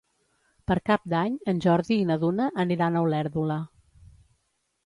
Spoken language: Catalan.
Per Cap d'Any en Jordi i na Duna aniran a Olèrdola.